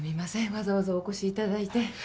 わざわざお越しいただいて。